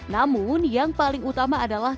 namun yang paling utama adalah